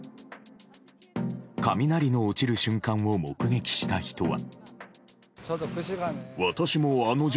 雷の落ちる瞬間を目撃した人は。